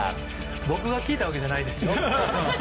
僕が聞いたわけじゃないですよ。